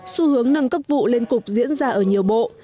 xu hướng nâng cấp vụ lên cục diễn ra ở nhiều bộ